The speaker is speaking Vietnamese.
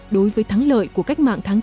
đối với thắng lợi của cách mạng tháng tám